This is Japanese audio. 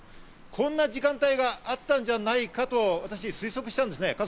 こんな時間帯があったんじゃないかと私、推測したんですね。